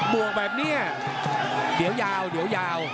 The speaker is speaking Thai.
บวกแบบนี้เดี๋ยวยาวเดี๋ยวยาว